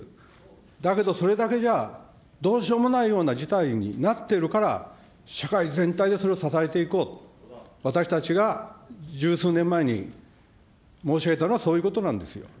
だけど、それだけじゃどうしようもないような事態になってるから、社会全体でそれを支えていこうと、私たちが十数年前に申し上げたのはそういうことなんですよ。